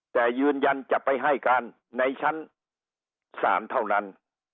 แต่ยืนยันจะไปให้การในชั้นศาลเท่านั้น